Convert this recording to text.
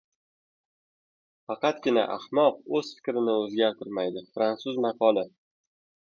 Faqatgina ahmoq o‘z fikrini o‘zgartirmaydi. Frantsuz maqoli